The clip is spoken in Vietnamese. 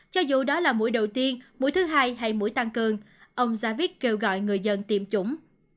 cho dù đó là mũi đầu tiên mũi thứ hai hay mũi tăng cơn ông zavit kêu gọi người dân tiêm chủng